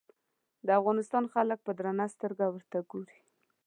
د افغانستان خلک په درنه سترګه ورته ګوري.